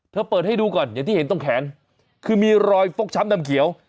เปิดให้ดูก่อนอย่างที่เห็นตรงแขนคือมีรอยฟกช้ำดำเขียว